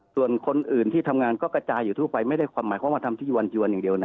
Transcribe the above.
ส่วนคนอื่นที่ทำงานก็กระจายอยู่ทั่วไปไม่ได้ความหมายความว่าทำที่วันจวนอย่างเดียวนะ